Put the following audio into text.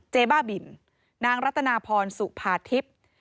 บ้าบินนางรัตนาพรสุภาทิพย์